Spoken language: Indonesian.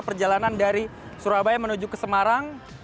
perjalanan dari surabaya menuju ke semarang